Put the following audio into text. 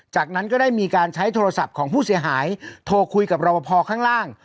จากนั้นก็ได้มีการใช้โทรศัพท์ของผู้เสียหายโทรคุยกับรอบพอข้างล่าง